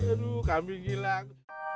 aduh kambing ilang